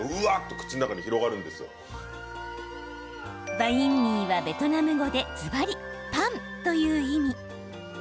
バインミーはベトナム語でずばり、パンという意味。